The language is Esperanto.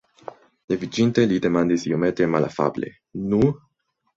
Leviĝinte li demandis iomete malafable: "Nu?"